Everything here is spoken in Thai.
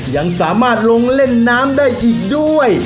ยังสามารถลงเล่นน้ำได้อีกด้วย